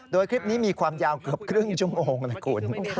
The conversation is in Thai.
โดยคลิปนี้มีความยาวเกือบครึ่งชั่วโมงนะคุณ